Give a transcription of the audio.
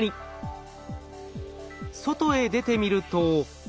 外へ出てみると。